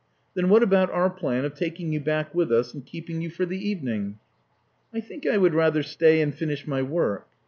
"Then what about our plan of taking ypu back with us and keeping ygu for the evening?" "I think I would rather stay and finish my work."